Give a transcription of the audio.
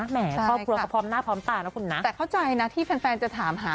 แหมครอบครัวเขาพร้อมหน้าพร้อมตานะคุณนะแต่เข้าใจนะที่แฟนแฟนจะถามหา